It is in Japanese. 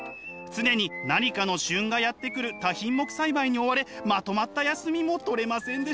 常に何かの旬がやって来る多品目栽培に追われまとまった休みも取れませんでした。